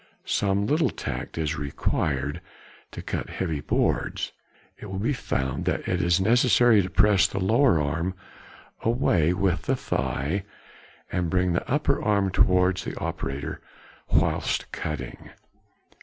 Some little tact is required |53| to cut heavy boards. It will be found that it is necessary to press the lower arm away with the thigh, and bring the upper arm towards the operator whilst cutting.